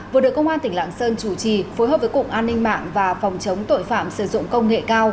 vừa được công an tỉnh lạng sơn chủ trì phối hợp với cục an ninh mạng và phòng chống tội phạm sử dụng công nghệ cao